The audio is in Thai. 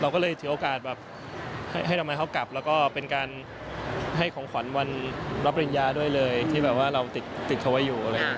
ก็เลยถือโอกาสแบบให้ดอกไม้เขากลับแล้วก็เป็นการให้ของขวัญวันรับปริญญาด้วยเลยที่แบบว่าเราติดเขาไว้อยู่อะไรอย่างนี้